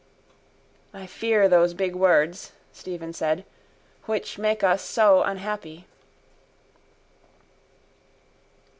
—I fear those big words, Stephen said, which make us so unhappy.